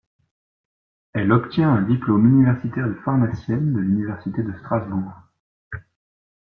Elle obtient un diplôme universitaire de pharmacienne de l'université de Strasbourg.